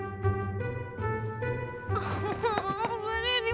kalian lucu banget sih